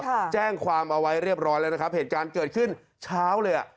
แจ้งความเอาไว้เรียบร้อยแล้วนะครับเหตุการณ์เกิดขึ้นเช้าเลยอ่ะ